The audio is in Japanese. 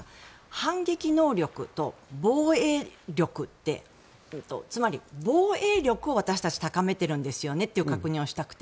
反撃能力と防衛力ってつまり、防衛力を私たちは高めているんですよねという確認をしたくて。